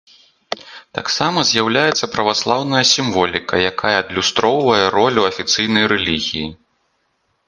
Таксама з'яўляецца праваслаўная сімволіка, якая адлюстроўвае ролю афіцыйнай рэлігіі.